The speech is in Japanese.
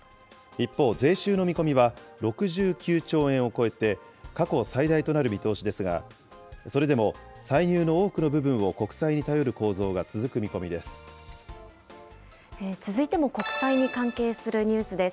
一方、税収の見込みは６９兆円を超えて、過去最大となる見通しですが、それでも歳入の多くの部分を国債に頼る構造が続く見込みで続いても国債に関係するニュースです。